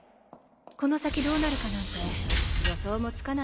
この先どうなるかなんて予想もつかないわ。